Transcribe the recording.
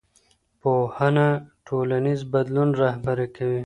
پوهنه ټولنیز بدلون رهبري کوي